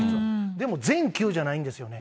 でも全球じゃないんですよね。